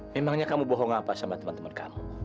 memangnya kamu bohong apa sama temen temen kamu